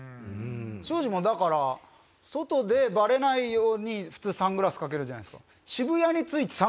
庄司もだから外でバレないように普通サングラス掛けるじゃないですか。